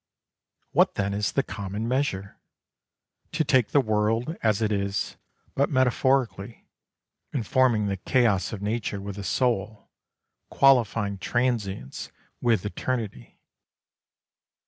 What then is the common measure ? To 'take the world as it is, but metaphorically, informing the chaos of nature with a soul, qualifying transience with eternity.